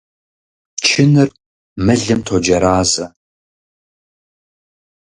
Чыныр мылым тоджэразэ.